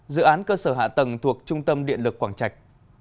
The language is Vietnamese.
dự án cơ sở hạ tầng thuộc trung tâm điện lực quảng trạch